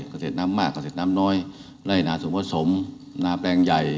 เกษตรน้ำมากเกษตรน้ำน้อยไล่นาสูงผสมนาแปลงใหญ่